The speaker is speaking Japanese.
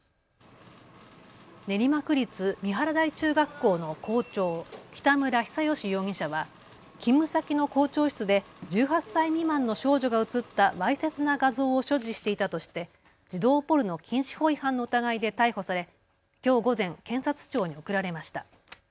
練馬区立三原台中学校の校長、北村比左嘉容疑者は勤務先の校長室で１８歳未満の少女が写ったわいせつな画像を所持していたとして児童ポルノ禁止法違反の疑いで逮捕されきょう午前、検察庁に送られました。